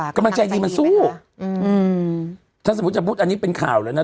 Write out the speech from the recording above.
กำลังใจดีมันสู้อืมถ้าสมมุติจะพูดอันนี้เป็นข่าวแล้วนะ